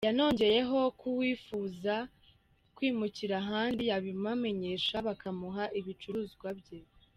Yanongeyeho ko uwifuza kwimukira ahandi yabibamenyesha bakamuha ibicuruzwa bye.